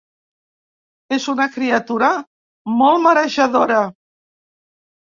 És una criatura molt marejadora.